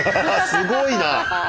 すごいな。